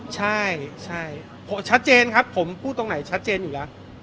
ใช่ชัดเจนครับผมพูดตรงไหนชัดเจนอยู่แล้ว